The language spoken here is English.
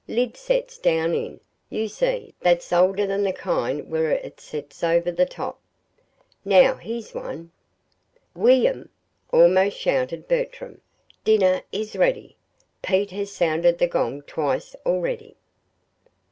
"Lid sets down in, you see that's older than the kind where it sets over the top. Now here's one " "William," almost shouted Bertram, "DINNER IS READY! Pete has sounded the gong twice already!"